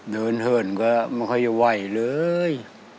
เหินก็ไม่ค่อยจะไหวเลย